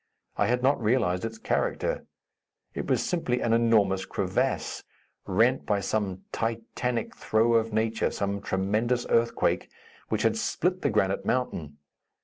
I had not realized its character. It was simply an enormous crevasse, rent by some Titanic throe of nature, some tremendous earthquake, which had split the granite mountain.